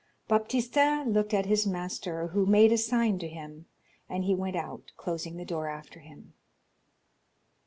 Baptistin looked at his master, who made a sign to him, and he went out, closing the door after him.